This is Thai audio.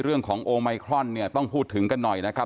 เรื่องของโอไมครอนเนี่ยต้องพูดถึงกันหน่อยนะครับ